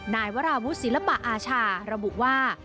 นายวราวุฒิศิลปะอาชาระบุว่า